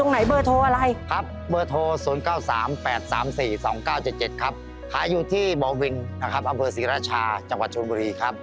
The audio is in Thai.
หาอยู่ที่บอลวิงอำเบอร์ศรีรัชาจังหวัดธุรกุรีครับ